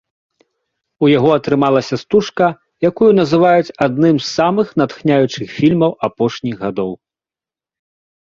У яго атрымалася стужка, якую называюць адным з самых натхняючых фільмаў апошніх гадоў.